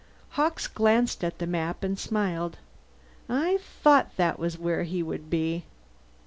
Hawkes glanced at the map and smiled. "I thought that was where he would be!"